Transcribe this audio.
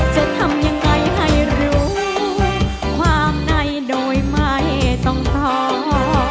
จะทำยังไงให้รู้ความในโดยไม่ต้องท้อ